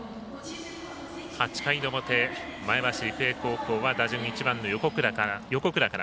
８回の表、前橋育英高校は打順１番の横倉から。